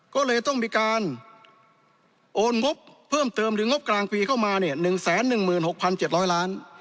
ก็เลยต้องมีการโอนงบเพิ่มเติมหรืองบกลางปีเข้ามาเนี่ย๑๑๖๗๐๐ล้าน